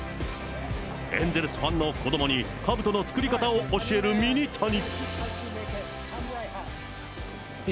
エンゼルスファンの子どもにかぶとの作り方を教えるミニタニ。